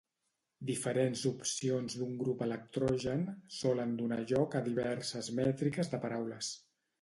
Diferents opcions d'un grup electrogen solen donar lloc a diverses mètriques de paraules.